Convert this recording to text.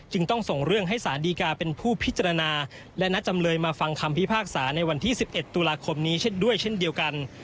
ต้องส่งเรื่องให้สารดีกาเป็นผู้พิจารณาและนัดจำเลยมาฟังคำพิพากษาในวันที่๑๑ตุลาคมนี้เช่นด้วยเช่นเดียวกัน